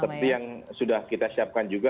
seperti yang sudah kita siapkan juga